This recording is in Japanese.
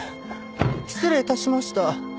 失礼致しました。